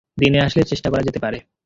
দিনে আসলে চেষ্টা করা যেতে পারে।